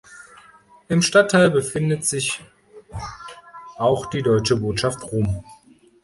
Im Stadtteil befindet sich auch die Deutsche Botschaft Rom.